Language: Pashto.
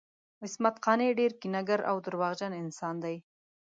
عصمت قانع ډیر کینه ګر او درواغجن انسان دی